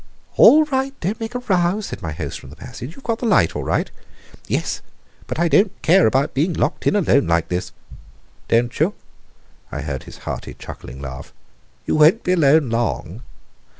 "All right! Don't make a row!" said my host from the passage. "You've got the light all right." "Yes, but I don't care about being locked in alone like this." "Don't you?" I heard his hearty, chuckling laugh. "You won't be alone long."